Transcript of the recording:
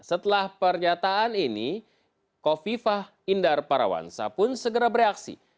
setelah pernyataan ini kofifah indar parawansa pun segera bereaksi